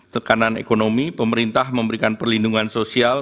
tekanan ekonomi pemerintah memberikan perlindungan sosial